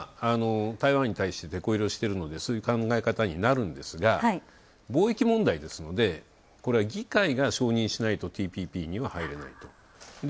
台湾に対して、てこ入れをしているのでそういう考え方になるんですが貿易問題ですので、これは議会が承認しないとＴＰＰには入れない。